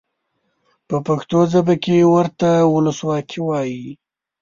په پښتو ژبه کې ورته ولسواکي وایي.